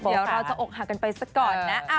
เดี๋ยวเราจะอกหักกันไปสักก่อนนะ